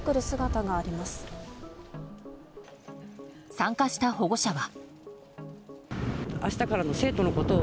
参加した保護者は。